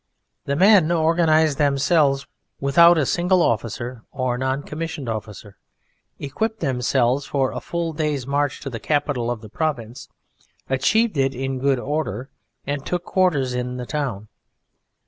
The men organized themselves without a single officer or non commissioned officer, equipped themselves for a full day's march to the capital of the province, achieved it in good order, and took quarters in the town.